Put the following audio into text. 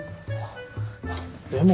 でも